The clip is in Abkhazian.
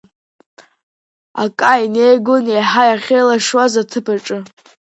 Ака инеигон еиҳа иахьеилашуаз аҭыԥ аҿы.